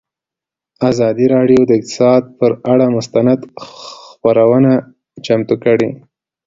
ازادي راډیو د اقتصاد پر اړه مستند خپرونه چمتو کړې.